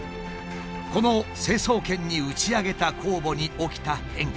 この成層圏に打ち上げた酵母に起きた変化。